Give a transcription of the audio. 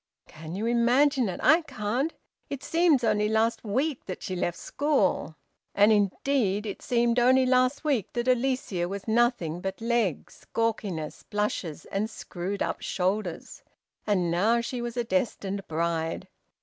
"Can you imagine it? I can't! It seems only last week that she left school!" And indeed it seemed only last week that Alicia was nothing but legs, gawkiness, blushes, and screwed up shoulders. And now she was a destined bride.